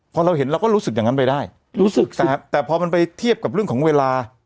ผลใจมันไปได้แต่พอมันไปเทียบกับเรื่องของเวลา